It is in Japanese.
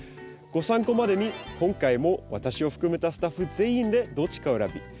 ご参考までに今回も私を含めたスタッフ全員でどっちかを選び